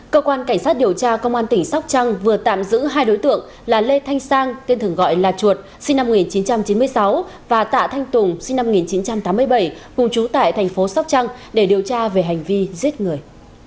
cơ quan cảnh sát điều tra công an tỉnh sóc trăng vừa tạm giữ hai đối tượng là lê thanh sang tên thường gọi là chuột sinh năm một nghìn chín trăm chín mươi sáu và tạ thanh tùng sinh năm một nghìn chín trăm tám mươi bảy cùng chú tại thành phố sóc trăng để điều tra về hành vi giết người